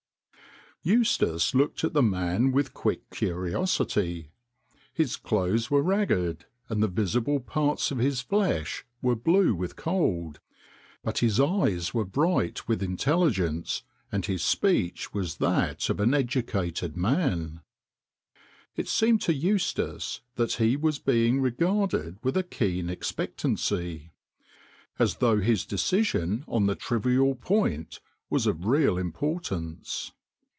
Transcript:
Eustace looked at the man with quick curiosity. His clothes were ragged, and the visible parts of his flesh were blue with cold, but his eyes were bright with intelligence and his speech was that of an educated man. It THE COFFIN MERCHANT 169 seemed to Eustace that he was being regarded with a keen expectancy, as though his decision on the trivial point was of real importance.